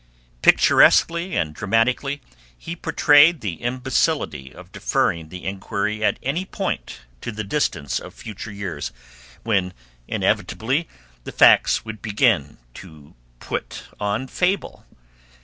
Picturesquely and dramatically he portrayed the imbecility of deferring the inquiry at any point to the distance of future years when inevitably the facts would begin to put on fable.